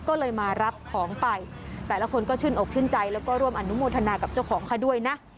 ก็เลยมารับของไปแต่ละคนก็ชื่นอกชื่นใจแล้วก็ร่วมอนุโมทนากับเจ้าของเขาด้วยนะ